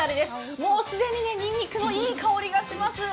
もう既ににんにくのいい香りがします。